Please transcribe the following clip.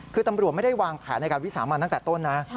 คือตำรวจไม่ได้วางแผนในการวิสามันตั้งแต่ต้นนะ